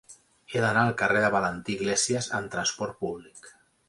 He d'anar al carrer de Valentí Iglésias amb trasport públic.